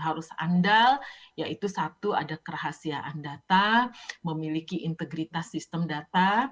harus andal yaitu satu ada kerahasiaan data memiliki integritas sistem data